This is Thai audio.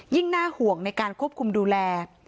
น่าห่วงในการควบคุมดูแล